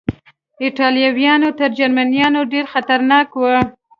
ایټالویان تر جرمنیانو ډېر خطرناک و.